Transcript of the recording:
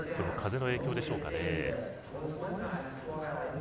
風の影響でしょうかね。